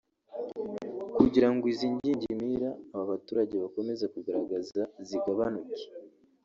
Kugira ngo izi ngingimira aba baturage bakomeza kugaragaza zigabanuke